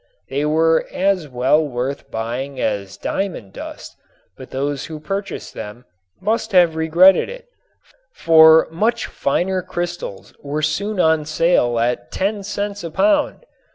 They were as well worth buying as diamond dust, but those who purchased them must have regretted it, for much finer crystals were soon on sale at ten cents a pound.